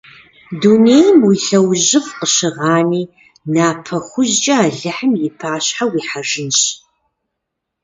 Дунейм уи лъэужьыфӀ къыщыгъани, напэ хужькӀэ Алыхьым и пащхьэ уихьэжынщ…